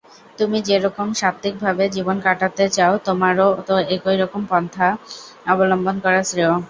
তুমি যেরকম সাত্ত্বিকভাবে জীবন কাটাতে চাও তোমারও তো এইরকম পন্থাই অবলম্বন করা শ্রেয়।